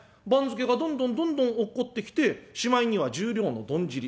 番付がどんどんどんどん落っこってきてしまいには十両のどん尻。